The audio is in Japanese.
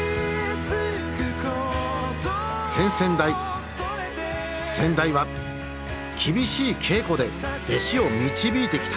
先々代先代は厳しい稽古で弟子を導いてきた。